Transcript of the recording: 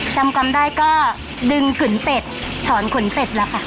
จำความได้ก็ดึงขุนเป็ดถอนขุนเป็ดแล้วค่ะ